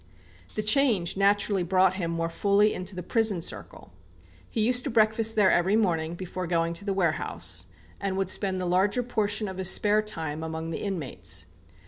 The change naturally brought him more fully into the prison circle. He used to breakfast there every morning, before going to the warehouse, and would spend the larger portion of his spare time among the inmates.